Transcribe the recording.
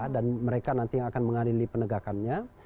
dan mereka nanti akan mengadili penegakannya